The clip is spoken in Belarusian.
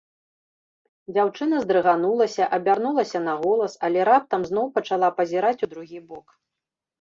Дзяўчына здрыганулася, абярнулася на голас, але раптам зноў пачала пазіраць у другі бок.